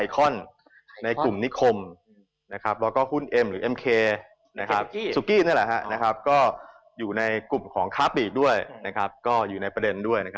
กลุ่มนิคมแล้วก็หุ้นเอ็มหรือเอ็มเคซุกกี้อยู่ในกลุ่มของค้าปีกอยู่ในประเด็นด้วย